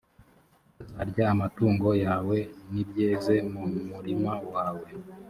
bazarya amatungo yawe n ibyeze mu murima wawe